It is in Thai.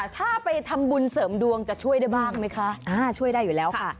ถ้าไปถำบุญเสริมดวงจะช่วยได้บ้างไหมคะ